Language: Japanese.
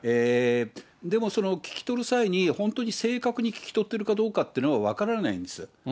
でもその聞き取る際に、本当に正確に聞き取っているかどうかというのは分からないんですよ。